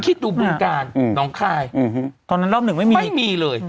คิดดูบึงกาลน้องคายตอนนั้นรอบหนึ่งไม่มีไม่มีเลย